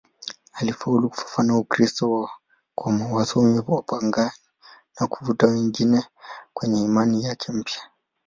Alifaulu kufafanua Ukristo kwa wasomi wapagani na kuvuta wengi kwenye imani yake mpya.